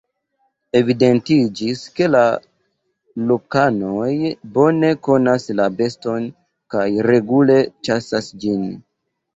Evidentiĝis, ke la lokanoj bone konas la beston kaj regule ĉasas ĝin.